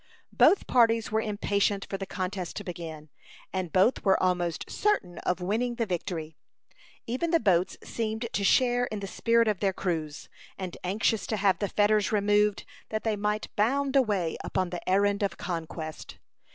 Both parties were impatient for the contest to begin, and both were almost certain of winning the victory. Even the boats seemed to share in the spirit of their crews, and anxious to have the fetters removed that they might bound away upon the errand of conquest.